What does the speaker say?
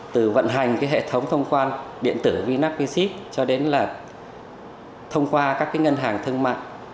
từ vận hành hệ thống thông quan điện tử vinapixip cho đến là thông qua các ngân hàng thương mạng